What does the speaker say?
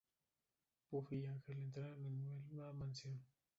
Buffy y Ángel entrenan en la Mansión.